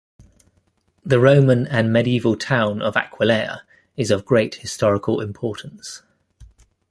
The Roman and medieval town of Aquileia is of great historical importance.